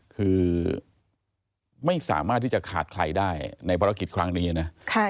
คือไม่สามารถที่จะขาดใครได้ในภารกิจครั้งนี้นะ